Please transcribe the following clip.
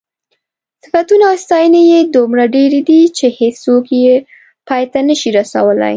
صفتونه او ستاینې یې دومره ډېرې دي چې هېڅوک یې پای ته نشي رسولی.